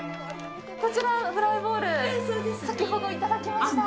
こちら、フライボール先ほど、いただきました。